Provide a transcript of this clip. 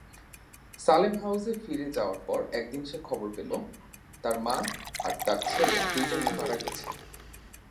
সালেম হাউসে ফিরে যাওয়ার পর একদিন সে খবর পেল, তার মা আর তার ছেলে দু'জনেই মারা গেছে।